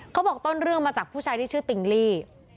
เขาบอกต้นเรื่องมาจากผู้ชายที่ชื่อติงลี่